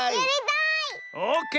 オーケー！